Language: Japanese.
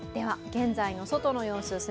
現在の外の様子